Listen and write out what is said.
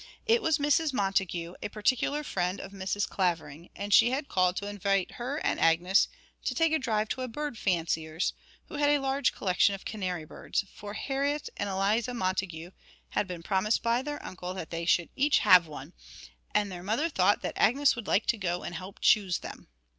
It was Mrs. Montague, a particular friend of Mrs. Clavering, and she had called to invite her and Agnes to take a drive to a bird fancier's, who had a large collection of canary birds; for Harriet and Eliza Montague had been promised by their uncle that they should each have one, and their mother thought that Agnes would like to go and help choose them.